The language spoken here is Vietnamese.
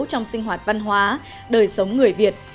trong sinh hoạt văn hóa đời sống người việt